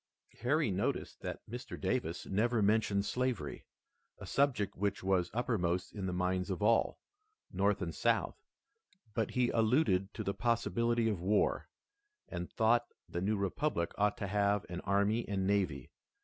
Harry noticed that Mr. Davis never mentioned slavery, a subject which was uppermost in the minds of all, North and South, but he alluded to the possibility of war, and thought the new republic ought to have an army and navy.